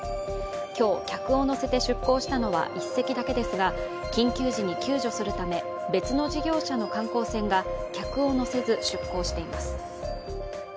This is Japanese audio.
今日、客を乗せて出航したのは１隻だけですが緊急時に救助するため別の事業者の観光船が客を乗せず出航しています。